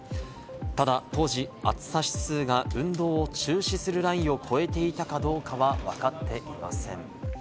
ただ当時、暑さ指数が運動を中止するラインを超えていたかどうかはわかっていません。